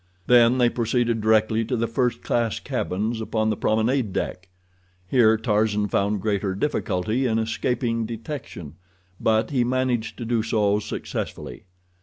Then they proceeded directly to the first class cabins upon the promenade deck. Here Tarzan found greater difficulty in escaping detection, but he managed to do so successfully.